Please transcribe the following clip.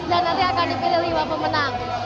dan nanti akan dipilih lima pemenang